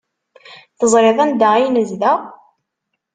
Teẓriḍ anda ay nezdeɣ?